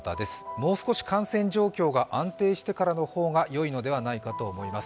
もう少し感染状況が安定してからのほうがよいのではないかと思います。